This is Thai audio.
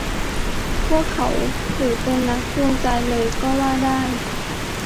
พวกเขาถือเป็นนักจูงใจเลยก็ว่าได้